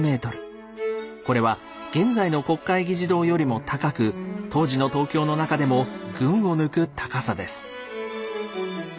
これは現在の国会議事堂よりも高く当時の東京の中でも群を抜く高さです。